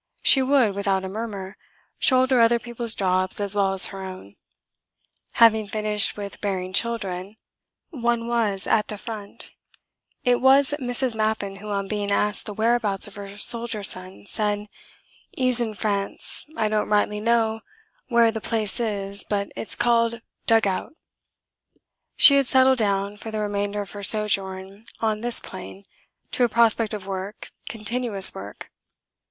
She would, without a murmur, shoulder other people's jobs as well as her own. Having finished with bearing children (one was at the Front it was Mrs. Mappin who, on being asked the whereabouts of her soldier son, said, "'E's in France; I don't rightly know w'ere the place is, but it's called 'Dugout'"), she had settled down, for the remainder of her sojourn on this plane, to a prospect of work, continuous work.